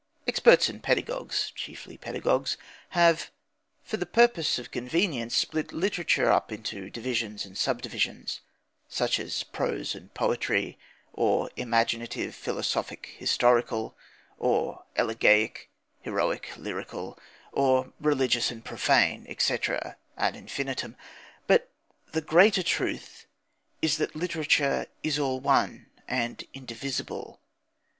Experts and pedagogues (chiefly pedagogues) have, for the purpose of convenience, split literature up into divisions and sub divisions such as prose and poetry; or imaginative, philosophic, historical; or elegiac, heroic, lyric; or religious and profane, etc., ad infinitum. But the greater truth is that literature is all one and indivisible.